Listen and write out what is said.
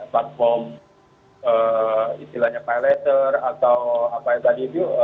platform istilahnya pylater atau apa itu tadi itu